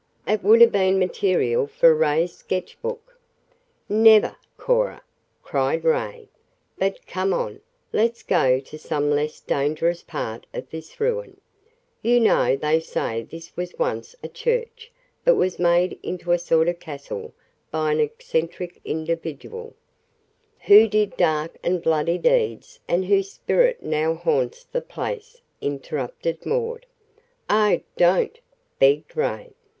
"It would have been material for Ray's sketchbook." "Never, Cora!" cried Ray. "But come on. Let's go to some less dangerous part of this ruin. You know they say this was once a church, but was made into a sort of castle by an eccentric individual " "Who did dark and bloody deeds and whose spirit now haunts the place," interrupted Maud. "Oh, don't!" begged Ray.